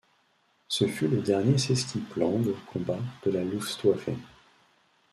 Ce fut le dernier sesquiplan de combat de la Luftwaffe.